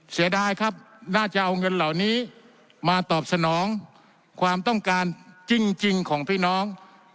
เสียดายครับน่าจะเอาเงินเหล่านี้มาตอบสนองความต้องการจริงของพี่น้อง